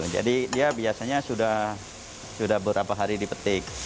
jadi dia biasanya sudah beberapa hari dipetik